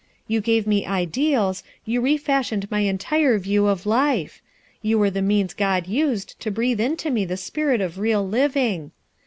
You gave me ideals, you re* fashioned my entire view of life; you were the means God used to breathe into me the spirit of real living.